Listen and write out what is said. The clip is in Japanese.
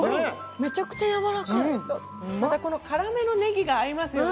めちゃくちゃやわらかいまたこの辛めのネギが合いますよね